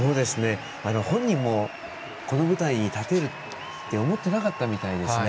本人もこの舞台に立てるって思ってなかったみたいですね。